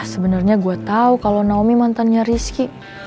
sebenernya gue tau kalo naomi mantannya rizky